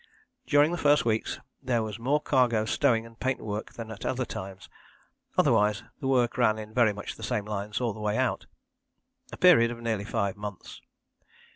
During the first weeks there was more cargo stowing and paintwork than at other times, otherwise the work ran in very much the same lines all the way out a period of nearly five months.